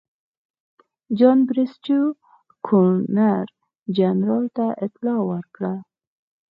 جان بریسټو ګورنر جنرال ته اطلاع ورکړه.